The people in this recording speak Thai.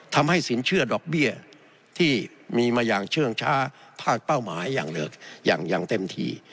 ทำให้สินเชื่อดอกเบี้ยที่มีมาอย่างเชื่องช้าภาคเป้าหมายอย่างเต็มที่